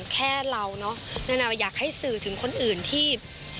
แค่เราเนอะนานาว่าอยากให้สื่อถึงคนอื่นที่